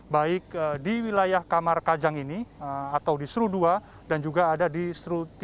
baik di wilayah kamar kajang ini atau di seru dua dan juga ada di seru tiga